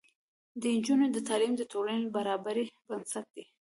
د نجونو تعلیم د ټولنې برابرۍ بنسټ دی.